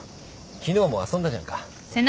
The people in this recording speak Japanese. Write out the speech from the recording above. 昨日も遊んだじゃんか。